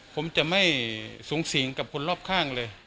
ผมจะไม่สูงสิงกับคนรอบข้างเลย